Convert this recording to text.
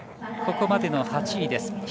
ここまでの８位です。